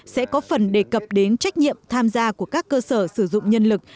sẽ có phần đề cập đến trách nhiệm tham gia của các cơ sở sử dụng nhân lực